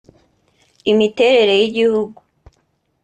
Imiterere y’igihugu